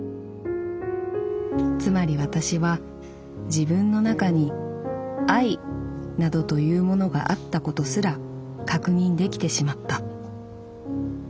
つまり私は自分の中に『愛』などというものがあったことすら確認できてしまった」。